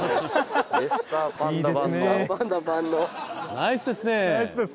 ナイスですね